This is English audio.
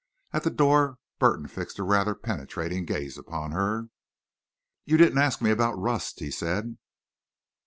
At the door Burton fixed a rather penetrating gaze upon her. "You didn't ask me about Rust," he said.